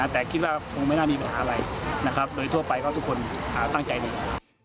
แต่คิดว่าคงไม่น่ามีปัญหาอะไรนะครับโดยทั่วไปก็ทุกคนตั้งใจดี